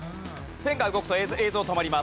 ペンが動くと映像止まります。